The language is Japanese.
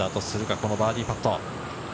このバーディーパット。